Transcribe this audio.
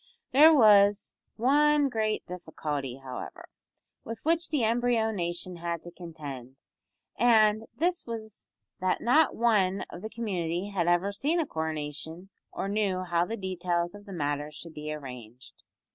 There was one great difficulty, however, with which the embryo nation had to contend, and this was that not one of the community had ever seen a coronation, or knew how the details of the matter should be arranged.